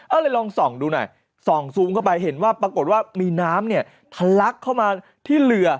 ก็เลยลองส่องดูหน่อยส่องซูมเข้าไปเห็นว่าปรากฏว่ามีน้ำเนี่ยทะลักเข้ามาที่เรือ